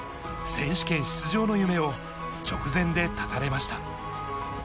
選手権出場の夢を直前で絶たれました。